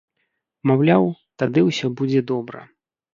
Маўляў, тады ўсё будзе добра.